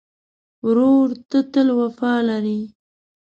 ورور ته تل وفا لرې.